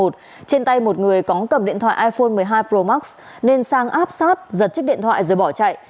trên tay một người có cầm điện thoại iphone một mươi hai pro max nên sang áp sát giật chiếc điện thoại rồi bỏ chạy